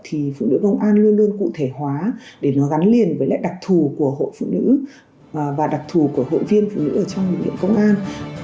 thì phụ nữ công an luôn luôn cụ thể hóa để nó gắn liền với lại đặc thù của hội phụ nữ và đặc thù của hội viên phụ nữ ở trong lực lượng công an